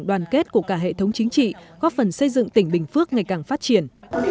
đoàn kết của cả hệ thống chính trị góp phần xây dựng tỉnh bình phước ngày càng phát triển